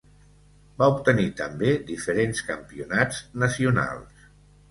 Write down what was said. Va obtenir també diferents campionats nacionals.